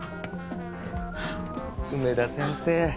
梅田先生